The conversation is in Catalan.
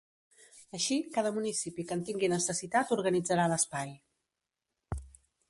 Així cada municipi que en tingui necessitat organitzarà l’espai.